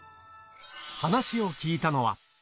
話を聞いたのは。